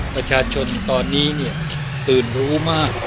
ประชาชนตอนนี้เนี่ยตื่นรู้มาก